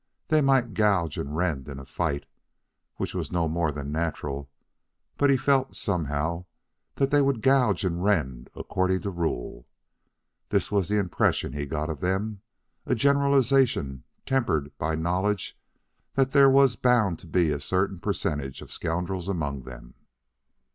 They might gouge and rend in a fight which was no more than natural; but he felt, somehow, that they would gouge and rend according to rule. This was the impression he got of them a generalization tempered by knowledge that there was bound to be a certain percentage of scoundrels among them.